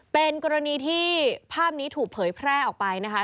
เป็นกรณีที่ภาพนี้ถูกเผยแพร่ออกไปนะคะ